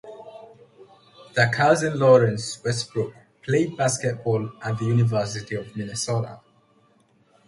Their cousin, Lawrence Westbrook, played basketball at the University of Minnesota.